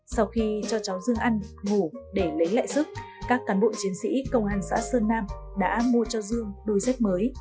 sau khi cho cháu dương ăn ngủ để lấy lại sức các cán bộ chiến sĩ công an xã sơn nam đã mua cho dương đôi dép mới